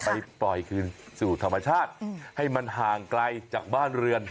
ไปปล่อยคืนสู่ธรรมชาติให้มันห่างไกลจากบ้านเรือน